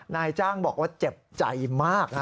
นายจ้างบอกว่าเจ็บใจมาก